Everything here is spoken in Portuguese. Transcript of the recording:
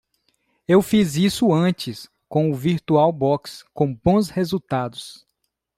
Eu fiz isso antes com o VirtualBox com bons resultados.